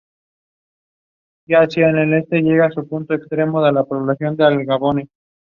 Integrity cannot be legislated for.